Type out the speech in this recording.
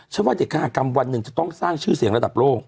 กรรมกันเป็นหนังเดี๋ยวต้องสร้างชื่อเสียงระดับโลก